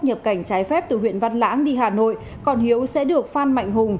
nhập cảnh trái phép từ huyện văn lãng đi hà nội còn hiếu sẽ được phan mạnh hùng